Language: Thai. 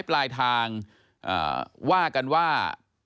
ปลายทางว่ากันว่า